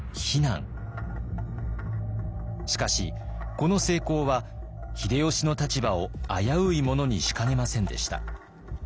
しかしこの成功は秀吉の立場を危ういものにしかねませんでした。